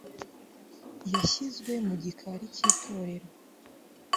yashyizwe mu gikari cy'itorero